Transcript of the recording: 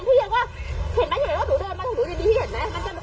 อย่ายิงอ้านห้างอยู่เรือ